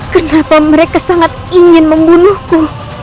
kenapa mereka sangat ingin membunuhku